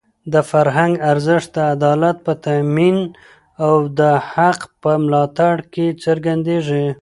د فرهنګ ارزښت د عدالت په تامین او د حق په ملاتړ کې څرګندېږي.